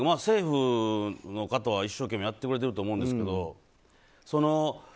政府の方は一生懸命やってくれてると思うんですけど。